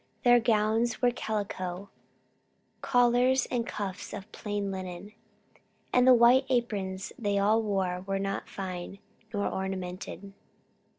Their gowns were calico; collars and cuffs of plain linen; and the white aprons they all wore were not fine nor ornamented.